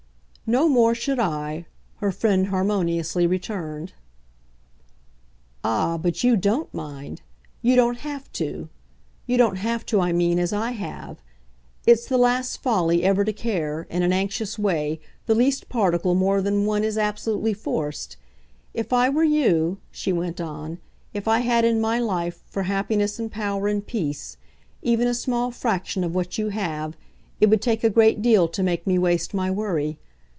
"No more should I!" her friend harmoniously returned. "Ah, but you DON'T mind. You don't have to. You don't have to, I mean, as I have. It's the last folly ever to care, in an anxious way, the least particle more than one is absolutely forced. If I were you," she went on "if I had in my life, for happiness and power and peace, even a small fraction of what you have, it would take a great deal to make me waste my worry.